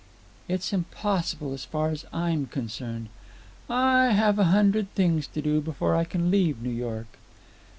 "It's impossible as far as I'm concerned. I have a hundred things to do before I can leave New York."